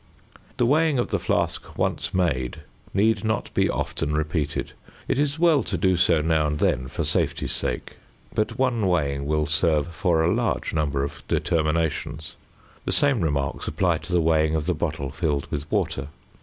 The weighing of the flask once made need not be often repeated. It is well to do so now and then for safety's sake; but one weighing will serve for a large number of determinations. The same remarks apply to the weighing of the bottle filled with water.